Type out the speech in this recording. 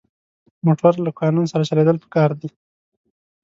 موټر له قانون سره چلېدل پکار دي.